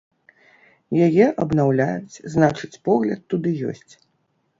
Яе абнаўляюць, значыць погляд туды ёсць.